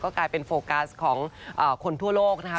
กลายเป็นโฟกัสของคนทั่วโลกนะคะ